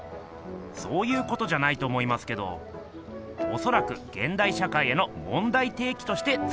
そういうことじゃないと思いますけどおそらく現代社会への問題提起としてつくられているんじゃないんですか？